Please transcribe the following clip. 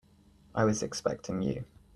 I was expecting you.